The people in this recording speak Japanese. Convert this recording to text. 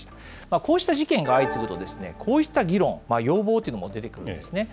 こうした事件が相次ぐとですね、こういった議論、要望というのも出てくるんですね。